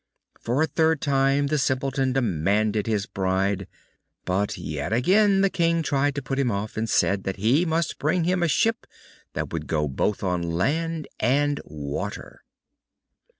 For the third time the Simpleton demanded his bride, but yet again the King tried to put him off, and said that he must bring him a ship that would go both on land and water.